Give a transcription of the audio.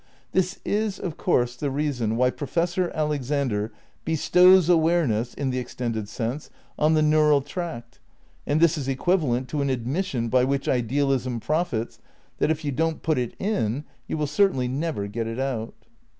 This is of course the reason why Professor Alexander bestows awareness (in the extended sense) on the neural tract. And this is equivalent to an admission, by which idealism profits, that if you don't put it in you will certainly never get it out.